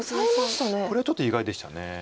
これちょっと意外でした。